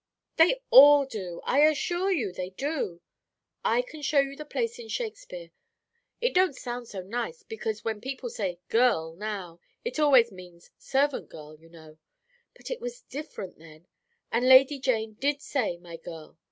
"They all do, I assure you they do. I can show you the place in Shakespeare. It don't sound so nice, because when people say 'girl,' now, it always means servant girl, you know; but it was different then; and Lady Jane did say 'my girl.'